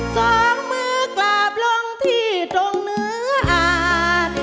สองมือกราบลงที่ตรงเนื้ออ่าน